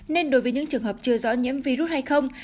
nên đối với những trường hợp chưa rõ nhiễm virus hay không